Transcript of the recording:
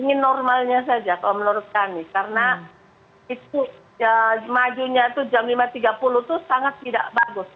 ini normalnya saja kalau menurut kami karena itu majunya itu jam lima tiga puluh itu sangat tidak bagus